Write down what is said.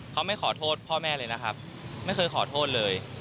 เขาไม่ขอโทษพ่อแม่เลยนะครับไม่เคยขอโทษเลย